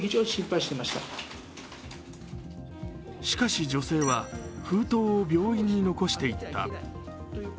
しかし、女性は封筒を病院に残していった。